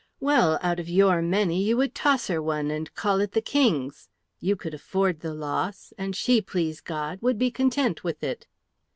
Well, out of your many, you would toss her one, and call it the King's. You could afford the loss, and she, please God, would be content with it."